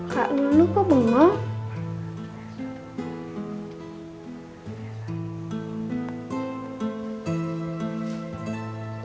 kak lulu kok bengong